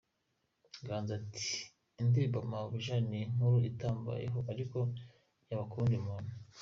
Ganza ati “ Indirimbo ‘Mabuja’ ni inkuru itarambayeho ariko yaba ku wundi muntu.